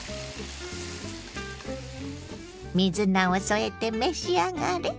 水菜を添えて召し上がれ。